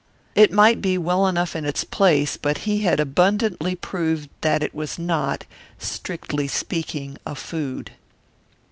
It might be well enough in its place, but he had abundantly proved that it was not, strictly speaking, a food.